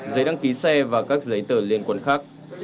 giấy đăng ký xe và các giấy tờ liên quan khác